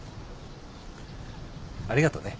ありがとね。